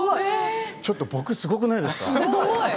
ちょっと僕、すごくないですか？